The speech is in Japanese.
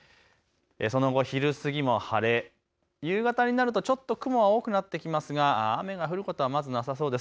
その後、昼過ぎも晴れ、夕方になるとちょっと雲が多くなってきますが雨が降ることはまずなさそうです。